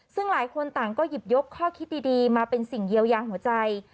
ซึ่งหลายคนต่างก็หยิบยกข้อคิดดีมาเป็นสิ่งเยียวยาหัวใจ